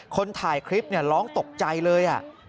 คนถ่ายคลิปเนี่ยร้องตกใจเลยอ่ะ